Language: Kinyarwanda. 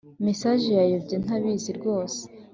mesaje yayobye ntabizi rwose